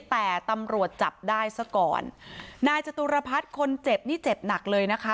แต่ตำรวจจับได้ซะก่อนนายจตุรพัฒน์คนเจ็บนี่เจ็บหนักเลยนะคะ